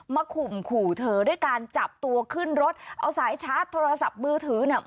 ข่มขู่เธอด้วยการจับตัวขึ้นรถเอาสายชาร์จโทรศัพท์มือถือเนี่ย